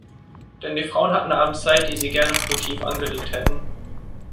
Denn die Frauen hatten abends Zeit, die sie gerne produktiv angelegt hätten.